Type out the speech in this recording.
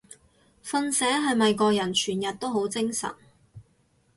瞓醒係咪個人全日都好精神？